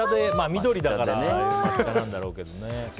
緑だからなんだろうけど。